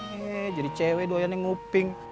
eh jadi cewek doyan yang nguping